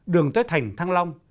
đường tới thành thăng long